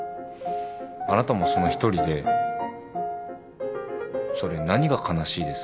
あなたもその１人でそれ何が悲しいですか？